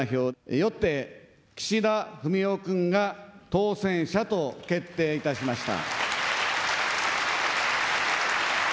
よって、岸田文雄君が当選者と決定いたしました。